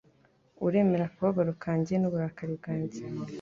Uremera akababaro kanjye n'uburakari bwanjye